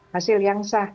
hasil yang sah